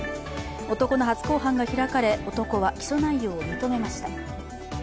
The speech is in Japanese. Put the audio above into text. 男の初公判が開かれ男は起訴内容を認めました。